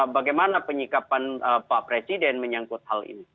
bagaimana penyikapan pak presiden menyangkut hal ini